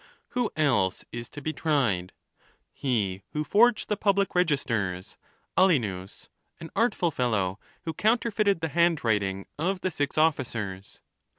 Who else is to be tried ? He who forged the public registers — Alenus, an artful fellow, who counterfeited the handwriting of the six officers.